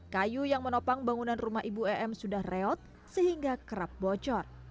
kayu yang menopang bangunan rumah ibu em sudah reot sehingga kerap bocor